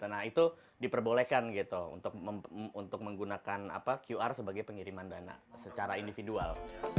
nah itu diperbolehkan gitu untuk menggunakan qr sebagai pengiriman dana secara individual